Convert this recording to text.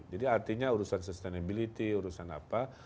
jadi artinya urusan sustainability urusan apa